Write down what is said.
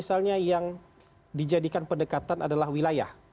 ya pendekatan yang dijadikan pendekatan adalah wilayah